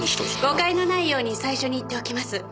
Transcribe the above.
誤解のないように最初に言っておきます。